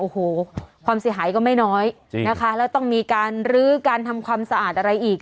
โอ้โหความเสียหายก็ไม่น้อยนะคะแล้วต้องมีการรื้อการทำความสะอาดอะไรอีก